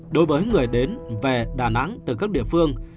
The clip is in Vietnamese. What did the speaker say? đối với người đến về đà nẵng từ các địa phương